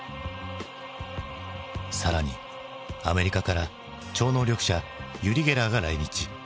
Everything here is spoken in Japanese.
更にアメリカから超能力者ユリ・ゲラーが来日。